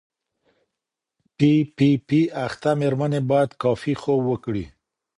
پی پي پي اخته مېرمنې باید کافي خوب وکړي.